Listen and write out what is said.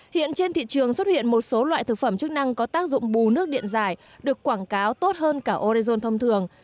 hiện trên thị trường xuất hiện một số loại thực phẩm chức năng có tác dụng bù nước điện dài được quảng cáo tốt hơn cả orezon thông thường